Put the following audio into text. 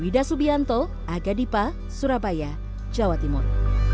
wida subianto aga dipa surabaya jawa timur